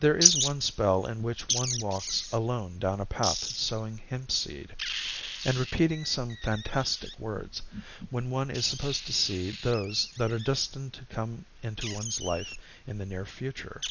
There is one spell in which one walks alone down a path sowing hempseed, and repeating some fantastic words; when one is supposed to see those that are destined to come into one's life in the near future.